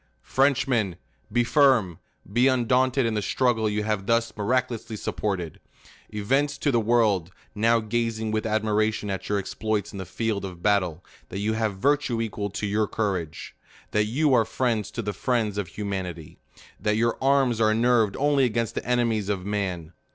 FRENCHMEN! Be firm; be undaunted in the struggle you have thus miraculously supported. Evince to the world, now gazing with admiration at your ex ploits in the field of battle, that you have virtue equal to your courage ; that you are friends to the friends of humanity; that your arms are nerved only against the enemies of man.